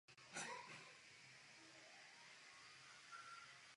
Největší z nich se stala součástí pruské rýnské provincie.